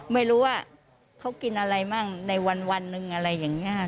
ไม่รู้ว่าเขากินอะไรมั่งในวันหนึ่งอะไรอย่างนี้ค่ะ